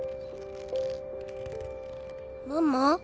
ママ？